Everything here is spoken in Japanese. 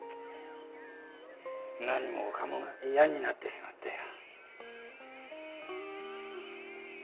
何もかもが嫌になってしまったよ。